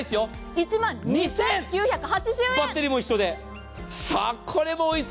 １万２９８０円です。